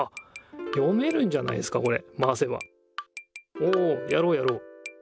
おおやろうやろう。